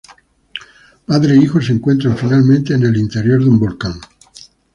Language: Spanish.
Padre e hijo se encuentran finalmente en el interior de un volcán.